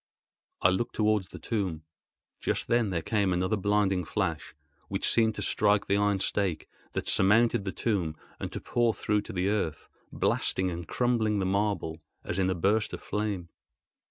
I looked towards the tomb. Just then there came another blinding flash, which seemed to strike the iron stake that surmounted the tomb and to pour through to the earth, blasting and crumbling the marble, as in a burst of flame.